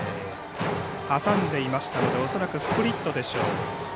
挟んでいましたので恐らくスプリットでしょう。